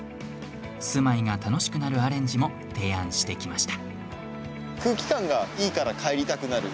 住まいが楽しくなるアレンジも提案してきました。